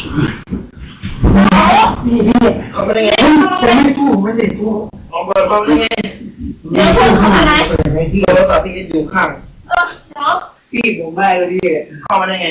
อุ้ยผมพิเศษออกมาให้พี่พี่ว่าผมต้องมารี่ดูอยู่อีก